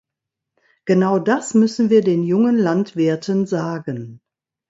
Genau das müssen wir den jungen Landwirten sagen.